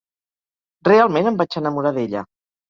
Realment em vaig enamorar d'ella.